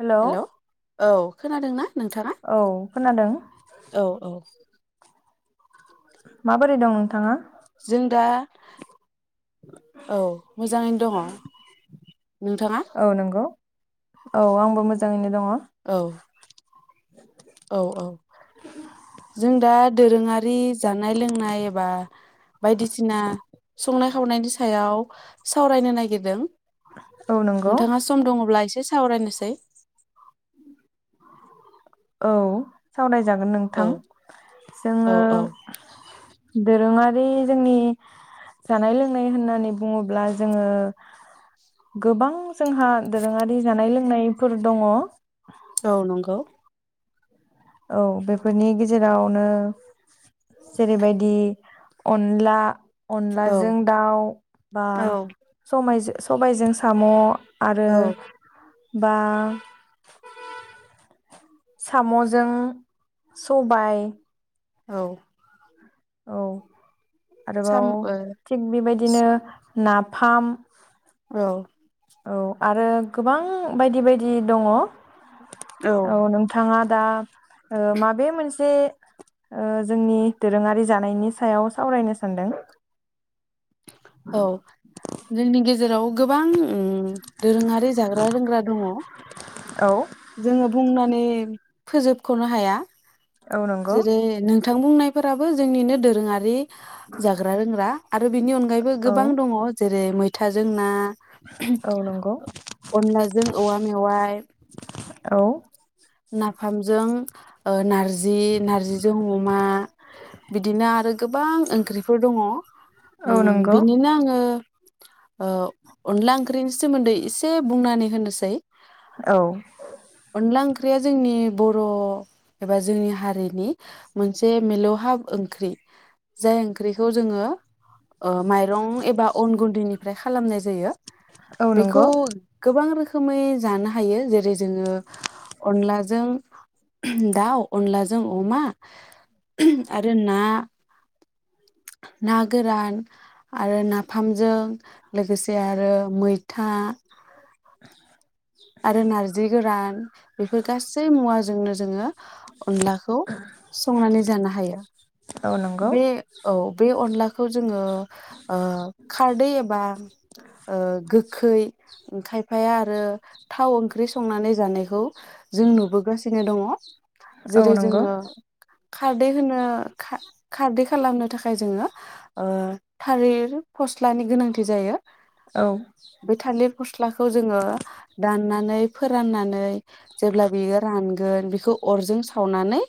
Hello hello औ खोनादों नना औ खोनादों औ औ माबोरै दं नोंथाङा जों दा औ मोजाङैनो दङ नोंथाङा नंगौ औ आंबो मोजाङैनो दङ। औ औ औ रि जानाय लोंनाय एबा बायदिसिना संनाय खावनायनि सायाव सावरायनो नागिरदों। नंगौ नोंथाङा सम दङब्ला एसे एसे सावरायनोसै औ सावराय जागोन नोंथां औ औ जोङो औ दोरोङारि जोंनि जानाय लोंनाय होननानै बुङोब्ला जोङो गोबां जोंहा दोरोङारि जानाय लों बुंनायफोर दङ औ नंगौ औ बेफोरनि गेजेरावनो जेरैबायदि अनला औ अनलाजों दाउ बा औ सबाइजों सबायजों साम' आरो औ बा साम'जों सबाय औ औ आरोबाव ओ थिग बेबायदिनो नाफाम औ औ आरो गोबां बायदि बायदि दङ औ नोंथाङा दा ओ माबे मोनसे जोंनि ओ दोरोङारि जानायनि सायाव सावरायनो सानदों? औ जोंनि गेजे जेराव गोबां उम दोरोङारि जाग्रा रोंग्रा दङ औ जोङो बुंनानै नै फोजोबख'नो हाया औ नंगौ जेरै नों बिथां बुंनायफोराबो जोंनिनो दोरोङारि जाग्रा रोंग्रा बिनि अनगायैबो गोबां औ दङ जेरै मै था जों ना औ नंगौ अनलाजों औवा मेवाय औ नाफामजों ओ नारज‌ जि नारजिजों अमा बिदिनो आरो गोबां ओंख्रिफोर दङ औ उम नंगौ बिनिनो आङो ओ अनला ओंख्रिनि सोमोन्दै एसे बुंनानै होनोसै औ अनला ओंख्रिया जोंनि बर' एबा जोंनि हारिनि मोनसे मिलौहाब ओंख्रि जाय ओंख्रिखौ जोङो ओ माइरं एबा अन गुन्दैनिफ्राय खालामनाय जायो। औ बेखौ नंगौ गोबां रोखोम रोखोमै जानो हायो जेरै जोङो अनलाजों दाउ अनलाजों अमा आरो ना ना गोरान आरो नाफामजों लोगोसे आरो मैथा [inaudible] आरो नारजि गोरान बेफोर गासै मुवाजोंनो जोङो अनलाखौ संनानै जानो हायो औ नंगौ बे औ बे अनला खौ जोङो ओ खारदै एबा ओ गोखै ओं खायफाया आरो थाव ओंख्रि संनानै जानायखौ जों नुबोगासिनो दङ औ जेरै नंगौ जोङो खारदै होनो खारदै खालामनो थाखाय जोङो औ थालिर फस्लानि गोनांथि जायो औ बे थालिर फस्लाखौ जोङो दाननानै फोराननानै जेब्ला बियो रानगोन बेखौ अरजों सावनानै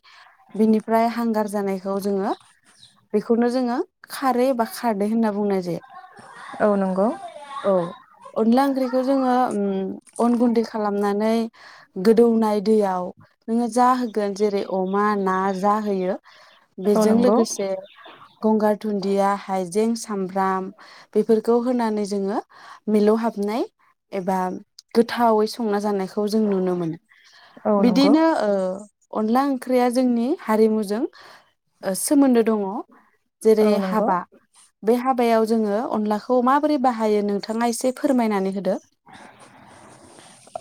बिनिफ्राय हांगार जानायखौ जोङो बेखौनो जोङो खारै एबा खारदै होनना बुंनाय जायो औ नंगौ औ अनला ओंख्रिखौ जोङो ओम अन गुन्दै खालामनानै गोदौनाय दैयाव नोङो जा होगोन जेरै अमा ना जा होयो औ बेजों नंगौ लोगोसे गंगार दुन्दिया हाइजें सामब्राम बेफोरखौ होनानै जोङो मिलौहाबनाय एबा गोथावै संना जानायख खौ जों नुनो मोनो औ नंगौ बिदिनो ओ अनला ओंख्रिया जोंनि हारिमुजों ओसोमोन्दो दङ जेरै औ नंगौ हाबा बे हाबायाव जोङो अनलाखौ माबोरै बाहायो नोंथाङा एसे फोरमायनानै होदो [inaudible]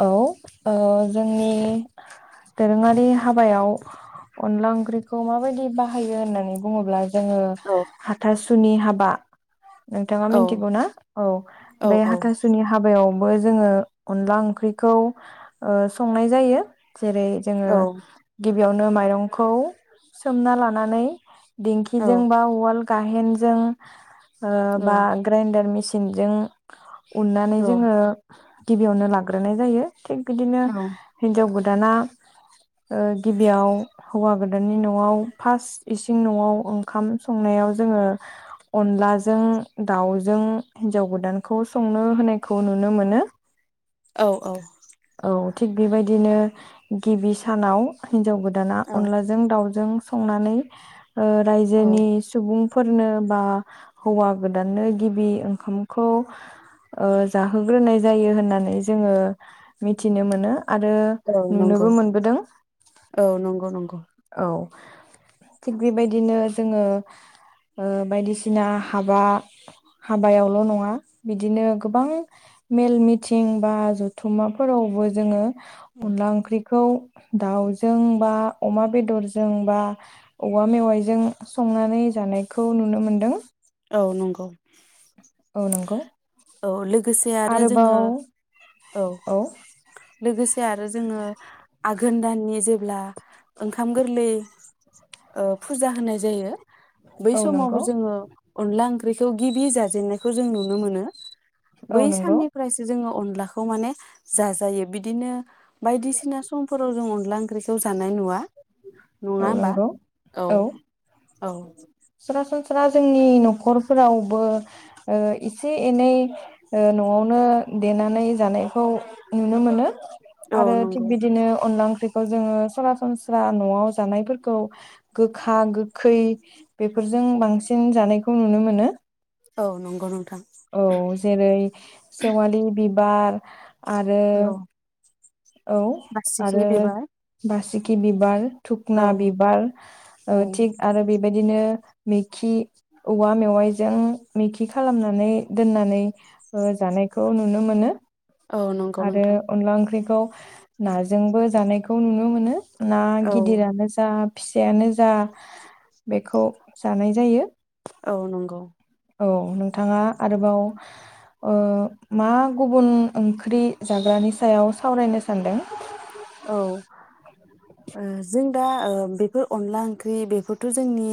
औ ओ जोंनि दोरोङारि हाबायाव अनला ओंख्रिखौ माबायदि बाहायो होननानै बुङोब्ला जोङो औ हाथासुनि हाबा नोंथाङा औ मिथिगौ ना औ औ बे औ हाथासुनि हाबायाव बो जोङो अनला ओंख्रिखौ ओ संनाय जायो जेरै जोङो औ गिब बियावनो माइरंखौ सोमना लानानै औ दिेंखिजोंबा उवाल गाहेनजों औ बा ग्रैइनडार मिसिन सिनजों उननानै औ जोङो गिबियावनो लाग्रोनाय जायो थिग बिदिनो औ हिनजाव गोदान गोदाना गिबियाव हौवा गोदाननि न'आव फार्स्ट इसिं न'आव ओंखाम संनायाव जोङो अनलाजों दाउजों हिन्जाव गोदानखौ संनो होनायखौ नु मोनो नुनो मोनो औ औ औ थिग बेबायदिनो गिबि सानाव हिनजाव गोदान दाना औ अनलाजों दाउजों संनानै ओ रायजोनि औ सुबुं फोरनो बा हौवा गोदाननो गिबि ओंखामखौ ओ जाहोग्रोनाय जायो होननानै जोङो मिथिनो मोनो आरो औ नुनोबो नंगौ मोनबोदों। औ नंगौ नंगौ औ। थिग बेबायदिनो जोङो बायदिसिना ओ हाबा हाबायावल' नङा बिदिनो गोबां मेल मिथिं बा जथुम्माफोरावबो जोङो अनला ओंख्रि खौ दाउजों बा अमा बेदरजों बा औवा मेवाइजों संनानै जानायखौ नुनो मोनदों औ नंगौ औ नंगौ गोसे आरो आरोबाव जोङो औ लोगोसे आरो जोङो आघोन दाननि जेब्ला ओंखाम गोरलै ओ फुजा होनाय जायो बै औ समावबो नंगौ जोङो अनला ओंख्रिखौ गिबि जाजेननाय खौ जों नुनो मोनो औ बै नंगौ साननिफ्रायसो जोङो अनलाखौ माने जाजायो। बिदिनो बायदिसिना समफोराव जों अन अनला ओंख्रिखौ जानाय नुवा नङा औ होमबा? नंगौ औ, औ। सरासनस्रा जोंनि न'खरफोरावबो ओ एसे एनै ओ न'आवनो देनानै जानायखौ नुनो मोनो औ आरो थिग नंगौ बिदिनो अनला ओं ख्रिखौ जोङो सरासन स्रा न'आव जानायफोरखौ गोखा गोखै बेफोरजों बांसिन जानायखौ नुनो मोनो। औ नंगौ नों औ जेरै सेवालि बिबार आरो औ औ बासिखि आरो बिबार बासि कि बिबार। औ थुखना बिबार ओ औ थिग आरो बेबायदिनो मेखि औवा मेवाइजों मेखि खालामनानै दोननानै ओ जानायखौ नुनो मोनो। औ नंगौ आरो नोंथां अनला ओंख्रि खौ नाजोंबो जानायखौ नुनो मोनो। ना औ गिदिरानो जा फिसायानो जा बेखौ जानाय जायो। औ नंगौ। औ नोंथाङा आरोबाव ओ मा गुबुन ओंख्रि जाग्रानि सायाव सावरायनो सानदों? औ ओ जों दा ओ बेफोर अनला ओंख्रि बेफोरथ जोंनि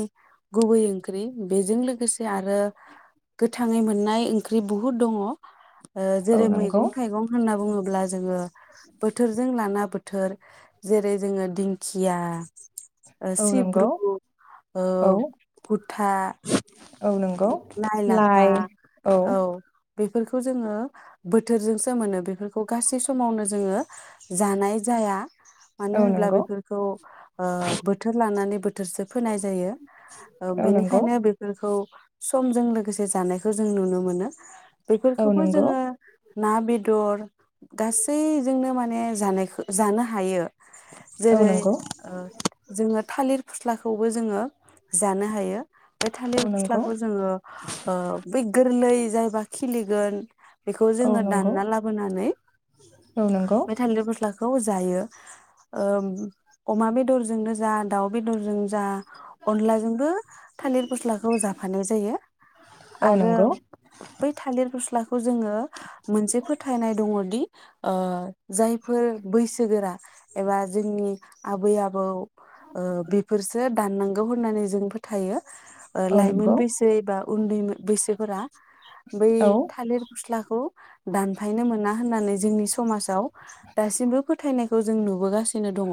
गुबै ओंख्रि बेजों लोगोसे आरो गोथाङै मोननाय ओंख्रि बुहुद दङ। ओ औ जेरै नंगौ मैगं थाइगं होनना बुङोब्ला जोङो बोथोरजों लाना बो बोथोर जेरै जोङो दिंखिया ओ औ नंगौ सिब्रु ओ औ गुथा औ नोंगौ लाइ औ। बेफोरखौ जोङो बोथोरजोंसो मोनो बेफोरखौ गासै समावनो जोङो जानाय जाया। मानो औ होनब्ला नंगौ बेफोरखौ ओ बोथोर लानानै बोथोरसो फोनाय जायो ओ औ नंगौ बेनिखायनो बेफोरखौ समजों लोगोसे जानायखौ जों नुनो मोनो। औ बेफोरखौबो नंगौ जोङो ना बेदर गासैजोंनो माने माने जानायखौ जानो हायो। औ जेरै नंगौ ओ जोङो थालिर फस्लाखौबो जोङो जानो हायो। बे औ थालिर फस्ला नंगौ ओ ओ बे गोरलै जायबा खिलिगोन बेखौ औ जोङो नंगौ दानना लाबोनानै औ नंगौ बे थालिर फस्लाखौ जायो। ओम अमा बेदरजोंनो जा दाउ बेदरजोंनो जा अनलाजोंबो थालिर फस्लाखौ जा फानाय जायो औ आरो नंगौ बै थालिर फस्ला खौ जोङो मोनसे फोथायनाय दङ दि ओ जायफोर बैसोगोरा एबा जोंनि आबै आबौ ओ बेफोरसो दाननांगौ होननानै जों फो थायो ओ औ लाइ नंगौ मोनबैसे एबा उन्दैमो बैसोफोरा बै औ थालिर फस्लाखौ दानफायनो मोना होननानै जोंनि समाजाव दासिमबो फोथायनायखौ जों नुबोगासिनो दङ।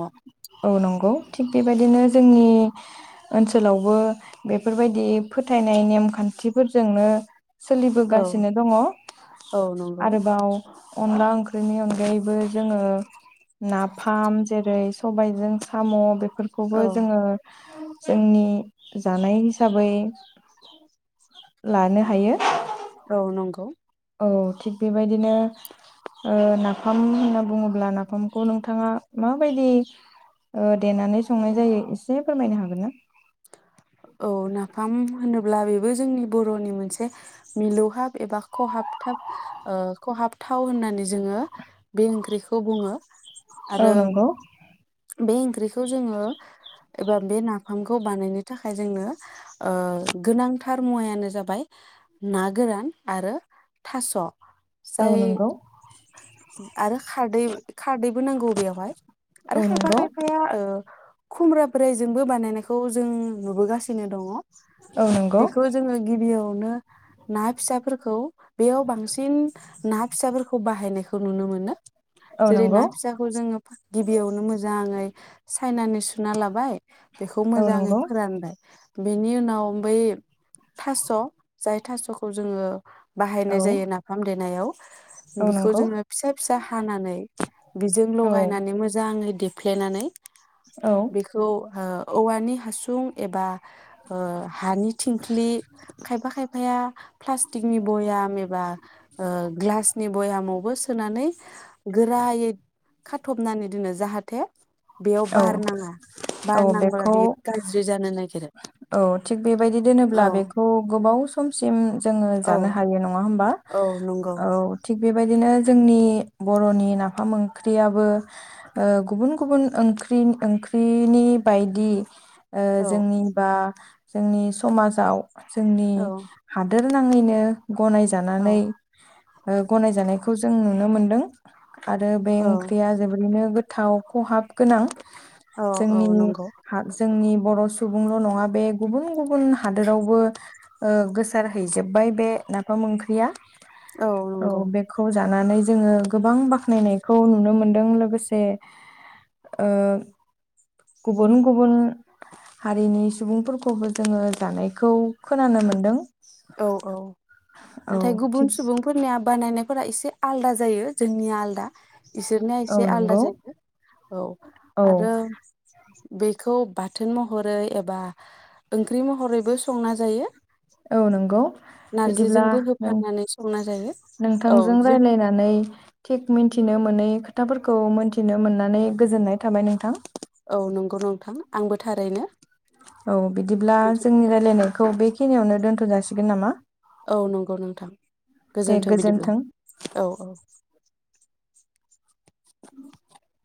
औ नंगौ थिग बेबायदिनो जोंनि ओनसोलावबो बेफोरबायदि फोथायनाय नेम खान्थिफोरजोंनो औ सोलिबोगासिनो दङ औ नंगौ। आरोबाव अनला ओंख्रिनि अनगायैबो जोङो नाफाम जेरै सबायजों साम' बे फोरखौबो औ जोङो जोंनि जानाय हिसाबै लानो हायो। औ नंगौ औ थिग बेबायदिनो ओ नाफाम होनना बुङोब्ला नाफामखौ नोंथाङा माबायदि देनानै संनाय जायो एसे फोरमायनो हागोन ना? औ नाफाम होनोब्ला बेबो जोंनि बर'नि मोनसे मिलौहाब एबा खहाबथाब ओ खहाबथाव होननानै जोङो बे ओंख्रिखौ बुङो। औ आरो नंगौ बे ओंख्रिखौ जोङो एबा बे नाफामखौ बानायनो थाखाय खाय जोंनो ओ गोनांथार मुवायानो जाबाय ना गोरान आरो थास' औ जाय नंगौ आरो खारदै खारदैबो नांगौ बेयावहाय आरो औ खायफा नंगौ खायफाया ओ खुब्रा बोरायजोंबो बानायनायखौ जों नुबोगासिनो दङ औ नंगौ बेखौ जोङो गिबियाव नो ना फिसाफोरखौ बेयाव बांसिन ना फिसाफोरखौ बाहायनायखौ नुनो मोनो औ जेरै ना नंगौ फिसाखौ जोङो गिबियावनो मोजाङै चाइनानि सुना लाबाय बेखौ औ मोजाङै नंगौ बेनि उनाव बै थास' जाय थास'खौ जोङो औ बाहायनाय जायो नाफाम देनायाव। औ बिखौ नंगौ जोङो फिसा फिसा हानानै बिजों औ लगायनानै मोजाङै दे फ्लेनानै औ बेखौ ओ औवानि हासुं सुं एबा ओ हानि थिंख्लि खायफा खायफाया प्लास्टिकनि बयाम एबा ओ ग्लासनि बयामावबो सोनानै गोरायै खाथबनानै दोनो जाहाथे बेयाव औ बार नाङा औ बार नांबा बेखौ बेयो औ थिग बेबायदि दोनोब्ला औ बेखौ गोबाव सम सेम जोङो औ जानो हायो नङा होम बा औ नंगौ औ थिख बेबायदिनो जोंनि बरनि नाफाम ओंख्रियाबो ओ गुबुन गुबुन ओंख्रि ओंख्रिनि बायदि ओं औ जोंनि बा जोंनि समाजाव जोंनि औ हादोद होननाङैनो गनायजानानै औ गनायजानायखौ जों नुनो मोनदों। आरो बे औ ओंख्रिया जोबोरैनो गोथाव। खहाब गोनां। औ औ जोंनि नंगौ हा जोंनि बर' सुबुंल' नङा बे गुबुन गुबुन हादोरावबो ओ गोसारहैजोबबाय बे नाफाम ओंख्रिया। औ नंगौ। नानै जोङो गोबां बाख्नायनायखौ नुनो मोन्दों लोगोसे ओ गुबुन गुबुन हारिनि सुबुंफोरखौबो जोङो जानायखौ खोनानो मोनदों। औ औ औ नाथाय गुबुन थिग सुबुंफोरनिया बानायनाय फोरा एसे आलदा जायो जोंनिया आलदा इसोरनिया औ एसे आलदा नंगौ जायो औ औ आरो बेखौ बाथोन महरै एबा ओंख्रि महरैबो संना जायो। औ नंगौ बिदिब्ला नारजिजोंबो नों होफानानै संना जायो औ नोंथांजों जों राय्लायनानै थिग मिथिनो मोनै खोथाफोरखौ मोनथिनो मोननानै गोजोननाय थाबाय नोंथां। औ नंगौ नोंथां आंबो थारैनो। औ बिदिब्ला बिदि जोंनि रायलायनायखौ बे खिनियावनो दोन्थ जासिगोन नामा? औ नंगौ नोंथां गोजोन्थों बिदिब्ला औ औ [inaudible]